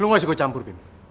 lu nggak suka gue campur bimo